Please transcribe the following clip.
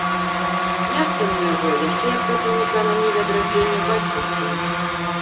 Я ж цаню яго яшчэ як працаўніка на ніве адраджэння бацькаўшчыны.